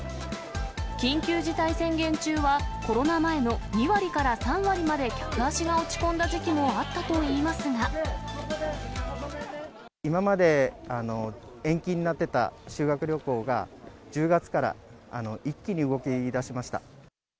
緊急事態宣言中は、コロナ前の２割から３割まで客足が落ち込んだ時期もあったといい今まで延期になってた修学旅行が、１０月から一気に動きだしました。